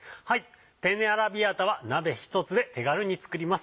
「ペンネアラビアータ」は鍋１つで手軽に作ります。